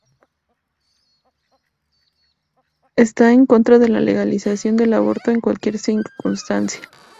Esta en contra de la legalización del aborto en cualquier circunstancia.